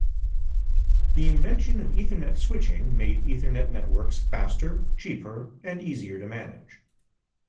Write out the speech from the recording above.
The invention of Ethernet switching made Ethernet networks faster, cheaper, and easier to manage.